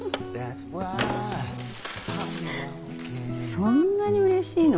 そんなにうれしいの？